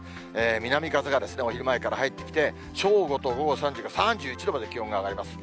南風がお昼前から入ってきて、正午と午後３時、３１度まで気温が上がります。